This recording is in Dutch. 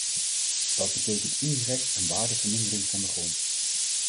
Dat betekent indirect een waardevermindering van de grond.